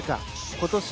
今年。